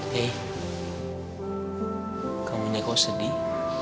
hei kamu nyekor sedih